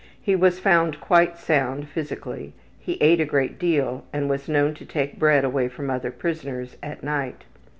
He was found quite sound physically. He ate a great deal and was known to take bread away from other prisoners at night.